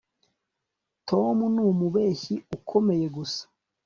Tom numubeshyi ukomeye gusa